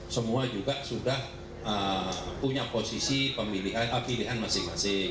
semua juga sudah punya posisi pilihan masyarakat